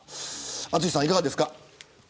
淳さん、いかがですか。